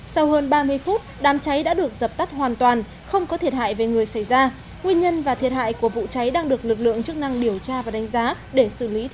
sau hơn ba mươi phút đám cháy đã được dập tắt hoàn toàn không có thiệt hại về người xảy ra nguyên nhân và thiệt hại của vụ cháy đang được lực lượng chức năng điều tra và đánh giá để xử lý theo quy